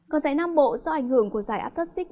còn tại nam bộ do ảnh hưởng của giải aptoxic